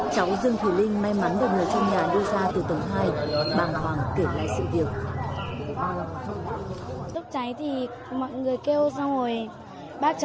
cháu dương thùy linh may mắn được người trong nhà đưa ra từ tầng hai bàng hoàng kể lại sự việc